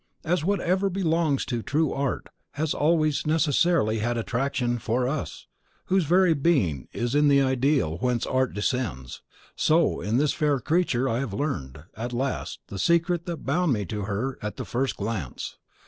As whatever belongs to true Art has always necessarily had attraction for US, whose very being is in the ideal whence Art descends, so in this fair creature I have learned, at last, the secret that bound me to her at the first glance.